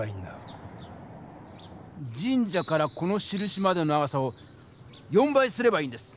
神社からこのしるしまでの長さを４倍すればいいんです。